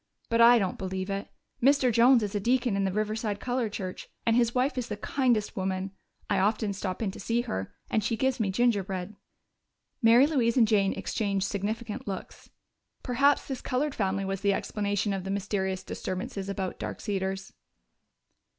But I don't believe it. Mr. Jones is a deacon in the Riverside Colored Church, and his wife is the kindest woman. I often stop in to see her, and she gives me gingerbread." Mary Louise and Jane exchanged significant looks. Perhaps this colored family was the explanation of the mysterious disturbances about Dark Cedars.